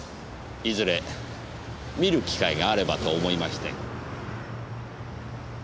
いずれ見る機会があればと思いまして。